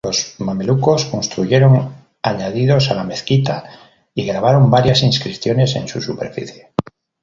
Los mamelucos construyeron añadidos a la mezquita y grabaron varias inscripciones en su superficie.